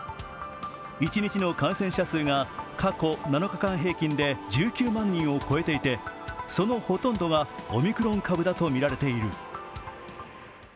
一日の感染者数が過去７日間平均で１９万人を超えていてそのほとんどがオミクロン株だとみられている。